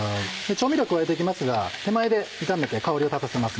調味料加えていきますが手前で炒めて香りを立たせます